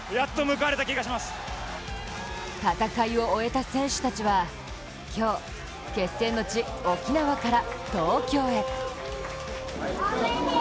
戦いを終えた選手たちは今日、決戦の地・沖縄から東京へ。